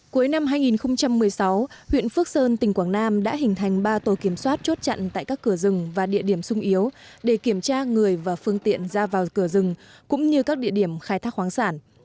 cuối năm hai nghìn một mươi sáu huyện phước sơn tỉnh quảng nam đã hình thành ba tổ kiểm soát chốt chặn tại các cửa rừng và địa điểm sung yếu để kiểm tra người và phương tiện ra vào cửa rừng cũng như các địa điểm khai thác khoáng sản